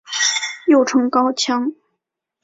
又称高腔。